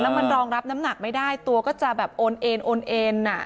มันรองรับน้ำหนักไม่ได้ตัวก็จะแบบโอนเอ็นโอนเอ็น